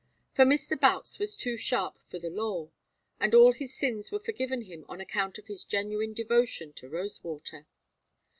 For Mr. Boutts was too sharp for the law, and all his sins were forgiven him on account of his genuine devotion to Rosewater.